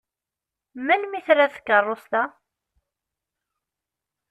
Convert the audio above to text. Melmi trad tkeṛṛust-a?